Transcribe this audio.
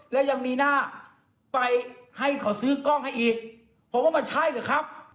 และยังมีหน้าไปให้เขาซื้อกล้องให้อีกผมว่ามันใช่หรือครับ